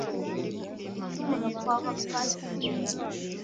gucumura kw Abapasitori